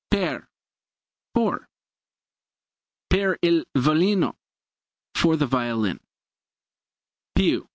Per il violino for the violin.